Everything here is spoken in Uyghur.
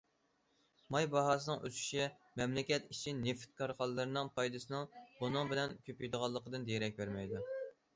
ماي باھاسىنىڭ ئۆسۈشى مەملىكەت ئىچى نېفىت كارخانىلىرىنىڭ پايدىسىنىڭ بۇنىڭ بىلەن كۆپىيىدىغانلىقىدىن دېرەك بەرمەيدۇ.